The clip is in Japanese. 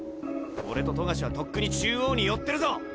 俺と冨樫はとっくに中央に寄ってるぞ！